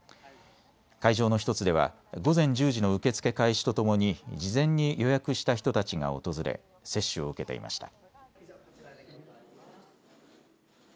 会場の１つでは午前１０時の受け付け開始とともに事前に予約した人たちが訪れ接種を受けていました。